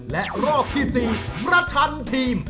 และรอบที่๔ประชันทีม